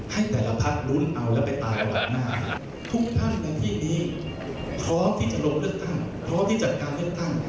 ให้แต่ละพักลุ้นเอาแล้วไปตายร้านอาหารทุกท่านในที่นี้พร้อมที่จะลงเลือกตั้งพร้อมที่จัดการเลือกตั้ง